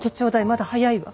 まだ早いわ。